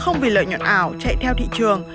không vì lợi nhuận ảo chạy theo thị trường